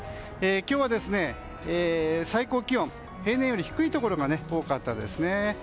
今日は最高気温平年より低いところが多かったですね。